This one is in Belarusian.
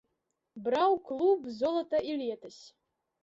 Браў клуб золата і летась.